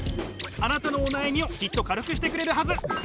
あなたのお悩みをきっと軽くしてくれるはず。